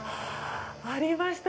ありました！